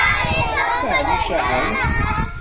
Maɛlic, ahamt!